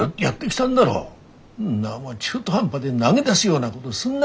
中途半端で投げ出すようなごどすんな。